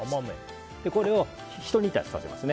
これをひと煮立ちさせます。